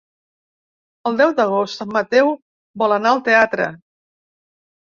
El deu d'agost en Mateu vol anar al teatre.